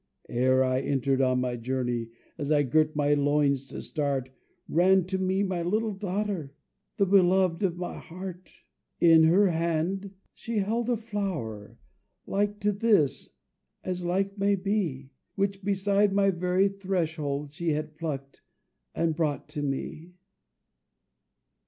"Ere I entered on my journey, As I girt my loins to start, Ran to me my little daughter, The beloved of my heart; "In her hand she held a flower, Like to this as like may be, Which, beside my very threshold, She had plucked and brought to me."